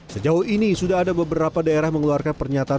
sejauh ini sudah ada beberapa daerah mengeluarkan pernyataan